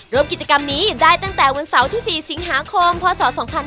ร่วมกิจกรรมนี้ได้ตั้งแต่วันเสาร์ที่๔สิงหาคมพศ๒๕๕๙